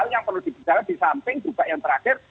yang perlu dibicarakan di samping juga yang terakhir